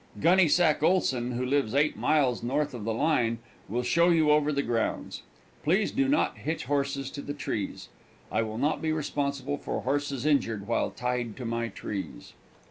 Gunnysack Oleson, who lives eight miles north of the county line, will show you over the grounds. Please do not hitch horses to the trees. I will not be responsible for horses injured while tied to my trees.